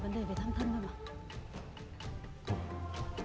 vấn đề về thăm thân thôi mà